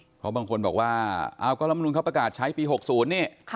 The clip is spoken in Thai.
เพราะบางคนบอกว่าเอาก็ลำนุนเขาประกาศใช้ปี๖๐นี่